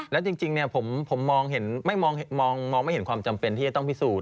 แล้วจริงผมมองไม่เห็นความจำเป็นที่จะต้องพิสูจน